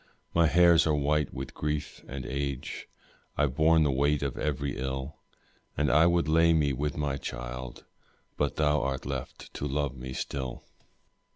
My hairs are white with grief and age, I've borne the weight of every ill, And I would lay me with my child, But thou art left to love me still.